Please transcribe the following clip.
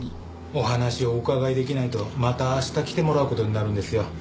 お話をお伺いできないとまた明日来てもらう事になるんですよ。